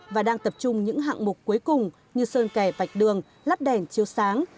và đang tập trung những hạng mục cuối cùng như sơn kè vạch đường lát đèn chiếu sáng